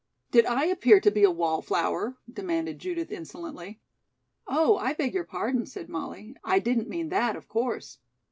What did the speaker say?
"Did I appear to be a wallflower?" demanded Judith insolently. "Oh, I beg your pardon," said Molly. "I didn't mean that of course."